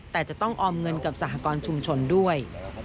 แต่จะต้องออมเงินกับสหกรณ์ชุมชนด้วย